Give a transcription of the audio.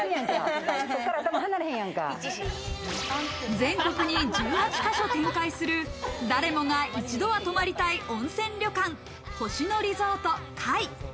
全国に１８か所展開する誰もが一度は泊まりたい温泉旅館「星野リゾート界」。